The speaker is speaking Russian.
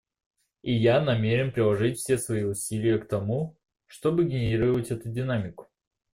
И я намерен приложить все свои усилия к тому, чтобы генерировать эту динамику.